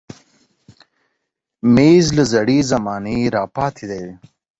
مېز له زړې زمانې راپاتې دی.